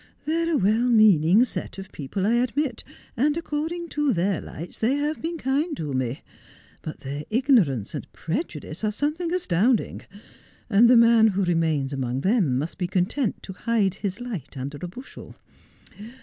They are a well meaning set of people, I admit, and according to their lights they have been kind to me ; but their ignorance and prejudice are some thing astounding ; and the man who remains among them must be content to hide his light under a bushel.